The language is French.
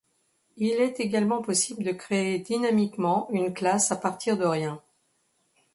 Il est également possible de créer dynamiquement une classe à partir de rien.